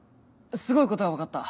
すごいことが分かった。